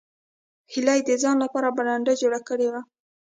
هیلې د ځان لپاره برنډه جوړه کړې وه